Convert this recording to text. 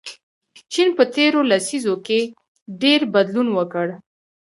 چین په تیرو لسیزو کې ډېر بدلون وکړ.